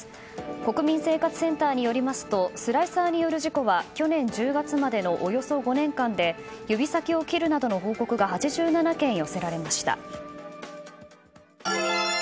国民生活センターによりますとスライサーによる事故は去年１０月までのおよそ５年間で指先を切るなどの報告が８７件寄せられました。